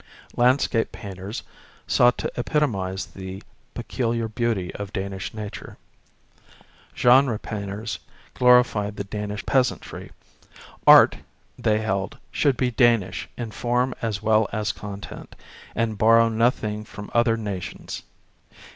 Landscape painters sought to epitomize the peculiar beauty of Danish nature. Genre painters glorified the Danish peasantry. Art, they held, should be Danish in form as well as content, and borrow nothing from other nations.